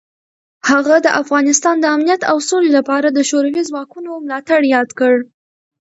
هغه د افغانستان د امنیت او سولې لپاره د شوروي ځواکونو ملاتړ یاد کړ.